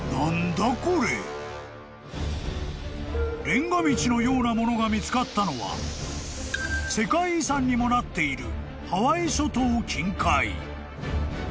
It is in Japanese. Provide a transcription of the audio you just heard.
［レンガ道のようなものが見つかったのは世界遺産にもなっているハワイ諸島近海］